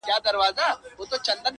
په هغه شپه مي نیمګړی ژوند تمام وای!!